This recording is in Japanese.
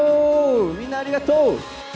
みんなありがとう！